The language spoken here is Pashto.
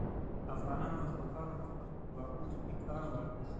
افغانانو او ازبکانو هم په ځواکونو کې کار واخیست.